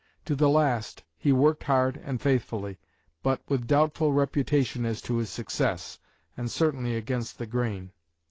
To the last he worked hard and faithfully, but with doubtful reputation as to his success, and certainly against the grain.